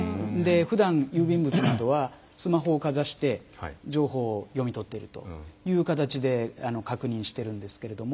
ふだん、郵便物などはスマホをかざして情報を読み取っているという形で確認しているんですけれども。